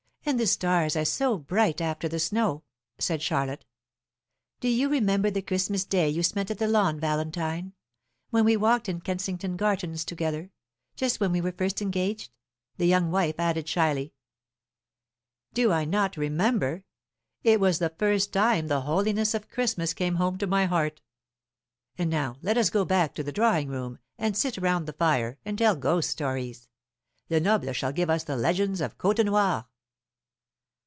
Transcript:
And the stars are so bright after the snow," said Charlotte. "Do you remember the Christmas day you spent at the Lawn, Valentine, when we walked in Kensington Gardens together, just when we were first engaged?" the young wife added shyly. "Do I not remember? It was the first time the holiness of Christmas came home to my heart. And now let us go back to the drawing room, and sit round the fire, and tell ghost stories. Lenoble shall give us the legends of Côtenoir."